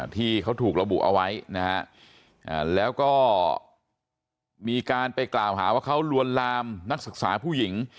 ที่เขาถูกระบุเอาไว้นะฮะแล้วก็มีการไปกล่าวหาว่าเขาลวนลามนักศึกษาผู้หญิง